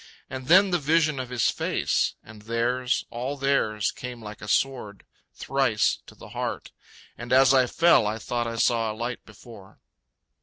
... And then the vision of his face, And theirs, all theirs, came like a sword, Thrice, to the heart and as I fell I thought I saw a light before.